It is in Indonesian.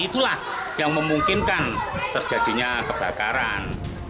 itulah yang memungkinkan terjadinya kebakaran